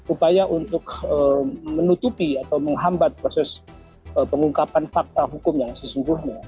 upaya untuk menutupi atau menghambat proses pengungkapan fakta hukum yang sesungguhnya